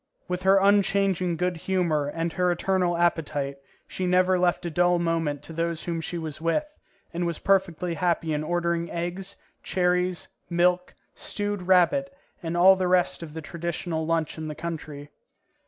With her unchanging good humour and her eternal appetite, she never left a dull moment to those whom she was with, and was perfectly happy in ordering eggs, cherries, milk, stewed rabbit, and all the rest of the traditional lunch in the country.